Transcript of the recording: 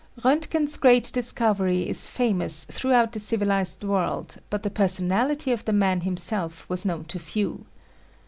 J Roentgen's great discovery is famous throughout the civilized world but the personality of the man himself was known to few.